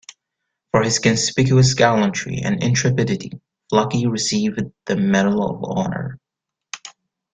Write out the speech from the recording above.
For his conspicuous gallantry and intrepidity, Fluckey received the Medal of Honor.